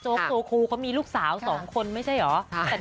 โจ๊กโดโคฮ์เค้ามีลูกสาวสองคนไม่ใช่เหรอ